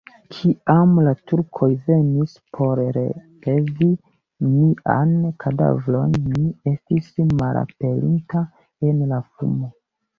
Kiam la Turkoj venis por relevi mian kadavron, mi estis malaperinta en la fumo.